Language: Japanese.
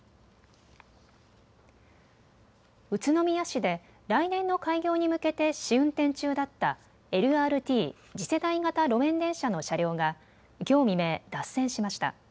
宇都宮市で来年の開業に向けて試運転中だったＬＲＴ・次世代型路面電車の車両がきょう未明、脱線しました。